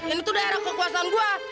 ini tuh daerah kekuasaan gua